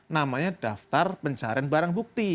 namanya daftar pencarian barang bukti